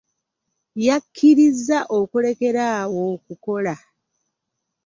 Yakkirizza okulekera awo okukola.